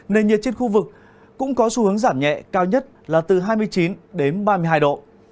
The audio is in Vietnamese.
nền nhiệt trên khu vực cũng có xu hướng giảm nhẹ cao nhất là từ hai mươi chín đến ba mươi hai độ